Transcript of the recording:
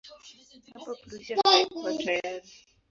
Hapo Prussia haikuwa tayari.